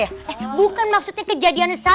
eh bukan maksudnya kejadian saya